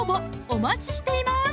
お待ちしています